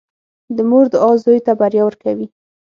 • د مور دعا زوی ته بریا ورکوي.